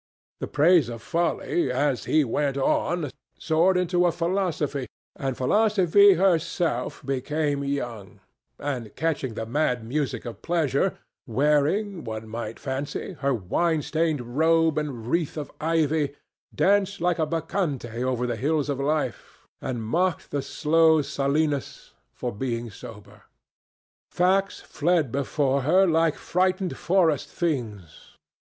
The praise of folly, as he went on, soared into a philosophy, and philosophy herself became young, and catching the mad music of pleasure, wearing, one might fancy, her wine stained robe and wreath of ivy, danced like a Bacchante over the hills of life, and mocked the slow Silenus for being sober. Facts fled before her like frightened forest things.